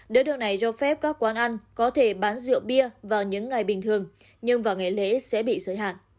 để được này do phép các quán ăn có thể bán rượu bia vào những ngày bình thường nhưng vào ngày lễ sẽ bị giới hạn